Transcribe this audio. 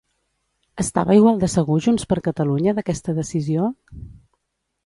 Estava igual de segur Junts per Catalunya d'aquesta decisió?